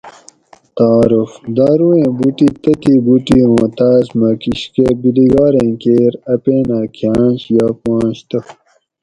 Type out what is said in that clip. تعارف:- دارویٔں بوٹی تتھیں بوٹی اوں تاس مہ کشکہ بیلگاریں کیر اپینہ کھانش یا پوانش تہ